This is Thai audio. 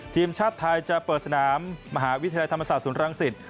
ทีมชาติไทยจะเปิดสนามมหาวิทยาลัยธรรมศาสตร์ศูนย์รังสิต